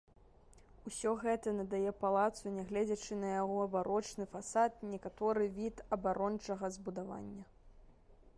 Усё гэта надае палацу, нягледзячы на яго барочны фасад, некаторы від абарончага збудавання.